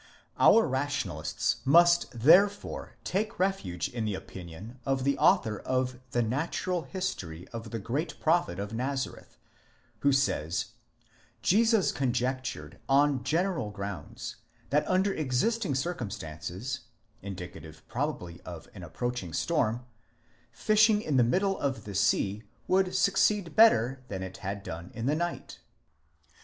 Our rationalists must therefore take refuge in the opinion of the author of the Natural History of the Great Prophet of Nazareth, who says, Jesus conjectured on general grounds, that under existing circumstances (indicative probably of an approaching storm), fishing in the middle of the sea would succeed better than it had done in the night.